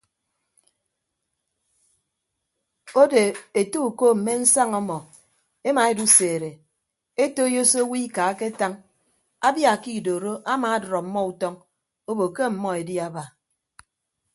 Odo ete uko mme nsaña ọmọ emaeduseede etoiyo se owo ika aketañ abia ke idoro amadʌd ọmmọ utọñ obo ke ọmmọ edi aba.